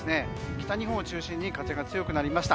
北日本を中心に風が強くなりました。